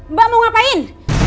mbak mau ngapain